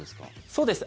そうです。